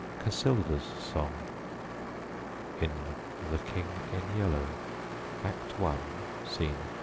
Cassilda's Song in "The King in Yellow," Act i, Scene 2.